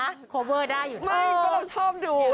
ไม่ก็เราชอบดู